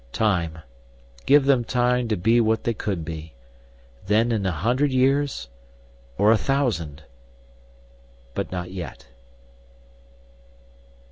Time give them time to be what they could be. Then in a hundred years or a thousand But not yet!